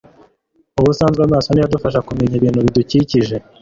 ubusanzwe amaso ni yo adufasha kumenya ibintu bidukikije